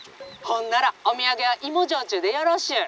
「ほんならお土産は芋焼酎でよろしゅう」。